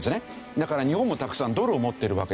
だから日本もたくさんドルを持ってるわけです。